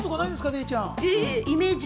デイちゃん。